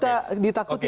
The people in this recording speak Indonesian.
tidak perlu ditakuti